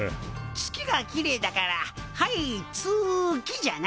月がきれいだからはいつきじゃな。